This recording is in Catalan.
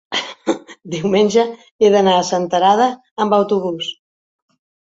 diumenge he d'anar a Senterada amb autobús.